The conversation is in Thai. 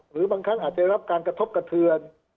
หรือบางครั้งอาจจะรับการกระทบกระเทือน